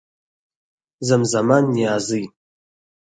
زمزمه نيازۍ